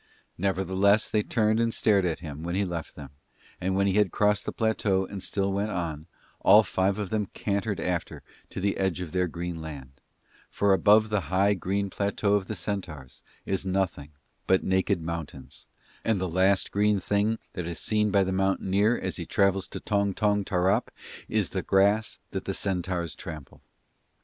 Nevertheless they turned and stared at him when he left them, and when he had crossed the plateau and still went on, all five of them cantered after to the edge of their green land; for above the high green plateau of the centaurs is nothing but naked mountains, and the last green thing that is seen by the mountaineer as he travels to Tong Tong Tarrup is the grass that the centaurs trample.